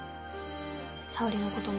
沙織のことも。